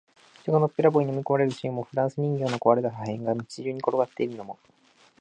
人がのっぺらぼうに飲み込まれるシーンも、フランス人形の壊れた破片が街中に転がっているのも、